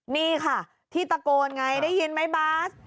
นี่ค่ะที่ตะโกนไงได้ยินไหมบาส